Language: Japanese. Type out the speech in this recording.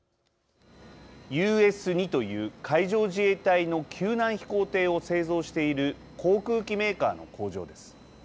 ＵＳ−２という海上自衛隊の救難飛行艇を製造している航空機メーカーの工場です。